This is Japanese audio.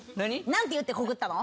何て言って告ったの？